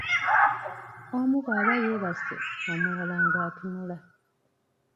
Omu bw'aba yeebase, omulala ng'atunula.